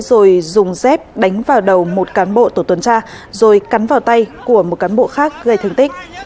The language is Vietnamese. rồi dùng dép đánh vào đầu một cán bộ tổ tuần tra rồi cắn vào tay của một cán bộ khác gây thương tích